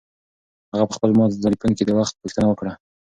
هغه په خپل مات تلیفون کې د وخت پوښتنه وکړه.